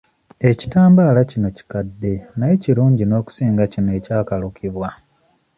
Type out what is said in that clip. Ekitambaala kino kikadde naye kirungi n'okusinga kino ekyakalukibwa.